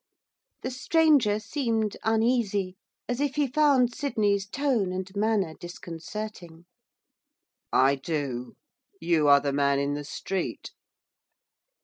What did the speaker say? The stranger seemed uneasy, as if he found Sydney's tone and manner disconcerting. 'I do. You are the man in the street.